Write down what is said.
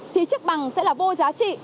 thì chiếc bằng sẽ là vô giá trị